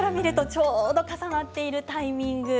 ちょうど重なっているタイミング